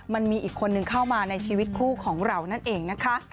มันมีอีกคนนึงเข้ามาในชีวิตคู่ของเรานั่นเองนะคะ